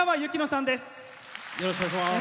よろしくお願いします。